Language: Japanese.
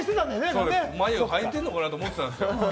まゆゆ、はいてるのかと思ってたんですよ。